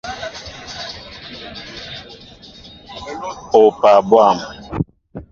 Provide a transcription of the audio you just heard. Opaa bwȃm!